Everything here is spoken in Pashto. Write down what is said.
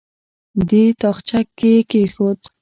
دې تاخچه کې یې کېښود.